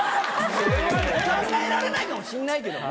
考えられないかもしんないけども。